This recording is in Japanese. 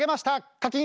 カキン！